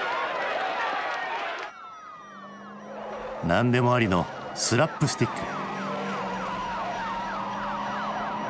何でもありのスラップスティック。